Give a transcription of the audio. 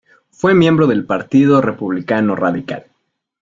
Fue miembro del Partido Republicano Radical.